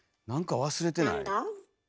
何か忘れてない？